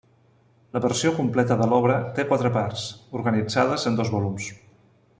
La versió completa de l'obra té quatre parts, organitzades en dos volums.